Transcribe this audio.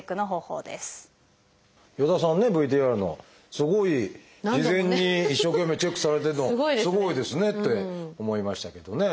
すごい事前に一生懸命チェックされてるのすごいですねって思いましたけどね。